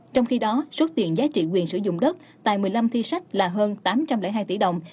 trong khi đó số tiền giá trị quyền sử dụng đất tại một mươi năm thi sách là hơn tám trăm linh hai tỷ đồng